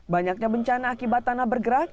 banyaknya bencana akibat tanah bergerak